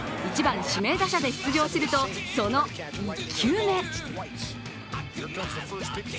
１番、指名打者で出場するとその１球目。